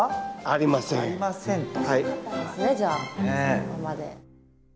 じゃあそのままで。